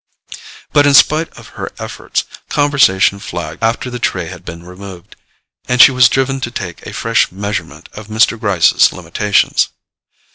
But in spite of her efforts, conversation flagged after the tray had been removed, and she was driven to take a fresh measurement of Mr. Gryce's limitations.